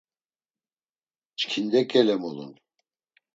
Çkinde ǩele mulun!